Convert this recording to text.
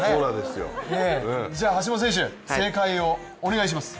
じゃあ橋本選手、正解をお願いします。